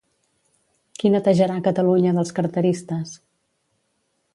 Qui netejarà Catalunya dels carteristes?